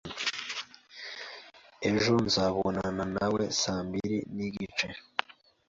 Ejo nzabonana nawe saa mbiri nigice.